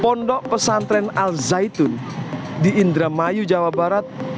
pondok pesantren al zaitun di indramayu jawa barat